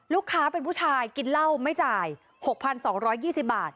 ลูกค้าเป็นผู้ชายกินเหล้าไม่จ่าย๖๒๒๐บาท